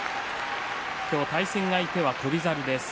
今日、対戦相手は翔猿です。